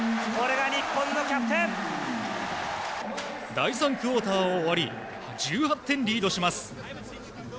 第３クオーターが終わり１８点リードします。